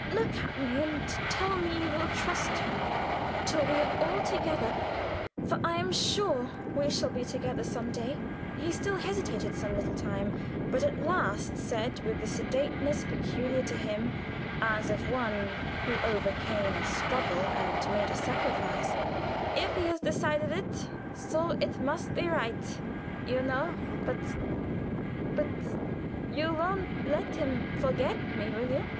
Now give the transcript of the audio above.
Look at me and tell me you will trust me till we are all together, for I am sure we shall be together some day." He still hesitated some little time, but at last said, with the sedateness peculiar to him, as of one who overcame a struggle and made a sacrifice: "If he has decided it so it must be right, you know; but but you won't let him forget me, will you?"